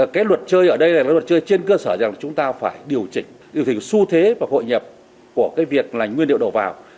cái luật chơi ở đây là luật chơi trên cơ sở rằng chúng ta phải điều chỉnh điều chỉnh su thế và hội nhập của cái việc là nguyên liệu đầu vào